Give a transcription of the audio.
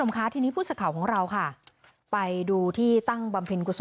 ไม่มีเสียงบ